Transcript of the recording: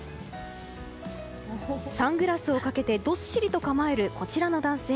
サングラスをかけてどっしりと構えるこちらの男性。